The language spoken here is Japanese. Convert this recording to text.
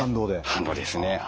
反動です。